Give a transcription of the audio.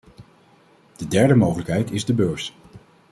De derde mogelijkheid is de beurs.